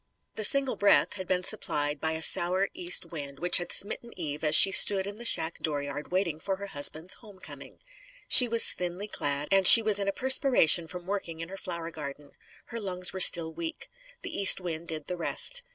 The "single breath" had been supplied by a sour east wind which had smitten Eve as she stood in the shack dooryard waiting for her husband's home coming. She was thinly clad, and she was in a perspiration from working in her flower garden. Her lungs were still weak. The east wind did the rest.